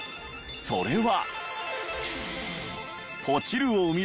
それは。